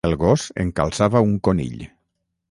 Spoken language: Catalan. El gos encalçava un conill.